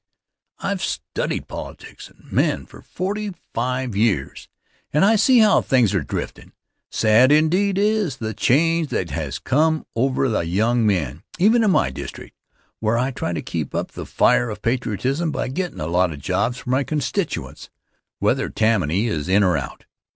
I have studied politics and men for forty five years, and I see how things are driftin'. Sad indeed is the change that has come over the young men, even in my district, where I try to keep up the fire of patriotism by gettin' a lot of jobs for my constituents, whether Tammany is in or out.